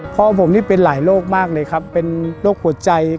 พ่อผมนี่เป็นหลายโรคมากเลยครับเป็นโรคหัวใจ